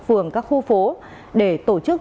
phường các khu phố để tổ chức